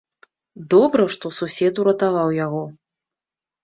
Добра, што сусед уратаваў яго.